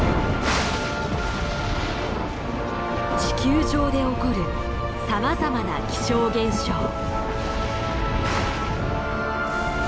地球上で起こるさまざまな気象現象。